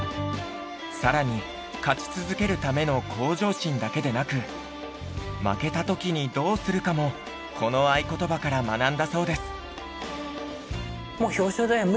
さらに勝ち続けるための向上心だけでなく負けた時にどうするかもこの愛ことばから学んだそうです。